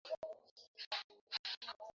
faram maalim naibu spika huyo alimwambia m